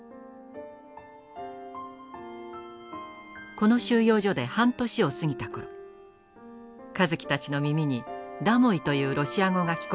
この収容所で半年を過ぎた頃香月たちの耳に「ダモイ」というロシア語が聞こえてくるようになりました。